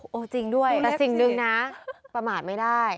จริงด้วยแต่สิ่งหนึ่งนะประมาทไม่ได้